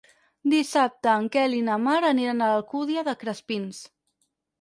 Dissabte en Quel i na Mar aniran a l'Alcúdia de Crespins.